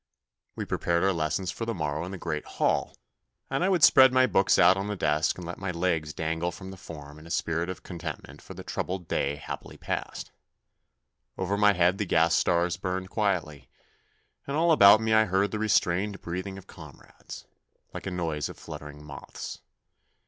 We prepared our lessons for the morrow in the Great Hall, and I would spread my books out on the desk and let my legs dangle from the form in a spirit of contentment for the troubled day happily past. Over my head the gas stars burned quietly, and all about me I heard the restrained breathing of comrades, like a noise of flutter ing moths.